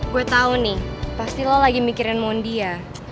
gue tau nih pasti lo lagi mikirin mondi ya